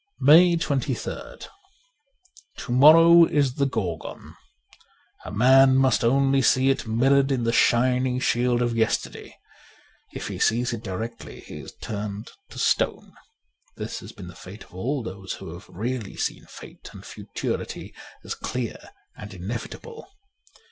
'' 156 MAY 23rd TO MORROW is the Gorgon ; a man must only sec it mirrored in the shining shield of yesterday. If he sees it directly he is turned to stone. This has been the fate of all those who have really seen fate and futurity as clear and inevitable.